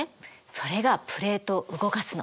それがプレートを動かすの。